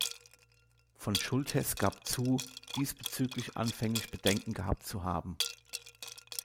Von Schulthess gab zu, diesbezüglich anfänglich Bedenken gehabt zu haben.